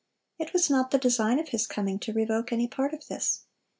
It was not the design of His coming to revoke any part of this.